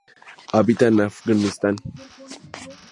Habita en Afganistán.